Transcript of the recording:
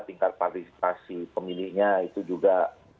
tingkat partisipasi pemilihnya itu juga